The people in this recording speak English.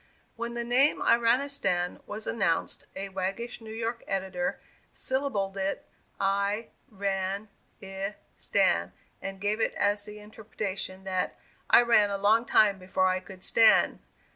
When the name "Iranistan" was announced, a waggish New York editor syllabled it, I ran i stan, and gave as the interpretation, that "I ran a long time before I could stan'!"